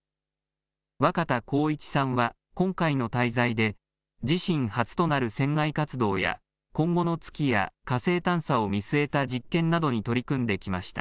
若田光一さんは今回の滞在で、自身初となる船外活動や今後の月や火星探査を見据えた実験などに取り組んできました。